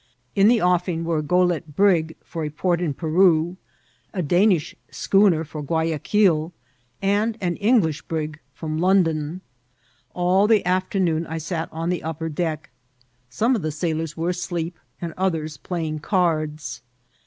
In the oS&ag were a goelette brig for a port in Peru, a Danish schooner for Guayaquil, and an English brig from London. All the afternoon I sat on the upper deck. Some of the sailors were asleep and others playing cards.